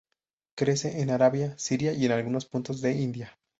Crece en Arabia, Siria y en algunos puntos de India.